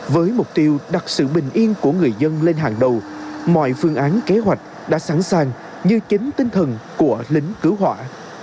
với mục tiêu đặt sự bình yên của người dân lên hàng đầu mọi phương án kế hoạch đã sẵn sàng như chính tinh thần của lính cứu hỏa